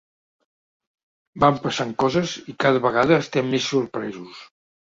Van passant coses i cada vegada estem més sorpresos.